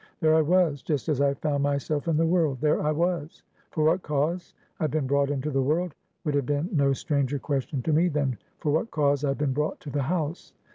There I was; just as I found myself in the world; there I was; for what cause I had been brought into the world, would have been no stranger question to me, than for what cause I had been brought to the house.